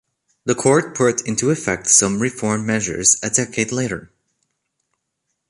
The court put into effect some reform measures a decade later.